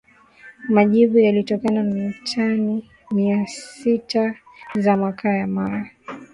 majivu yaliyotokana na tani mia sita za makaa ya mawe